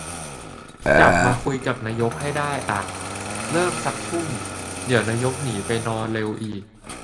จับมาคุยกับนายกให้ได้อะ เริ่มซัก ทุ่ม เดี๋ยวนายกหนีไปนอนเร็วอีก